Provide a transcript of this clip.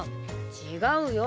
違うよ。